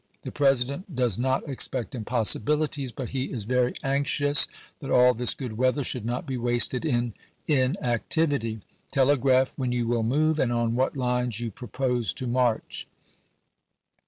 The President does not expect impossibilities, but he is very anxious that all this good weather should not be wasted in inactivity. Telegraph when you will move and on what lines you Ibid. propose to march.